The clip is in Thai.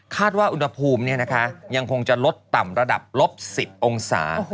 คาดว่าอุณหภูมิเนี่ยนะคะยังคงจะลดต่ำระดับลบ๑๐องศา